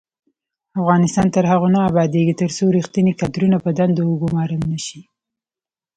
افغانستان تر هغو نه ابادیږي، ترڅو ریښتیني کادرونه په دندو وګمارل نشي.